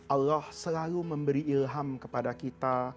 allah selalu memberi ilham kepada kita